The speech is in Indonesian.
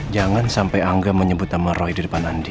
jangan sampai angga menyebut sama roy di depan andin